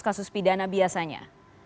kasus pidana biasanya